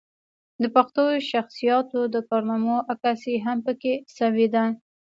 د پښتنو شخصياتو د کارنامو عکاسي هم پکښې شوې ده